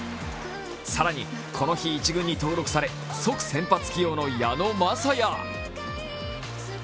更に、この日１軍に登録され即先発起用の矢野雅哉。